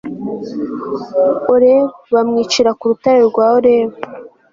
orebu bamwicira ku rutare rwa orebu